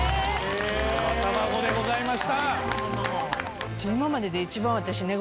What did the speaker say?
生卵でございました。